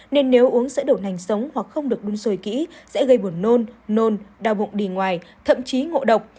nên nếu uống sẽ đổ nành sống hoặc không được đun sôi kỹ sẽ gây buồn nôn nôn đau bụng đi ngoài thậm chí ngộ độc